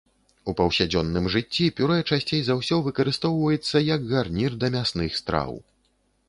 У паўсядзённым жыцці пюрэ часцей за ўсё выкарыстоўваецца як гарнір да мясных страў.